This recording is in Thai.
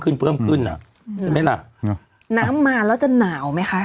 น้ำมาแล้วจะหนาวไหมคะ